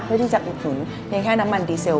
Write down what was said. เพื่อที่จะอยู่ถึงเพียงแค่น้ำมันดีเซล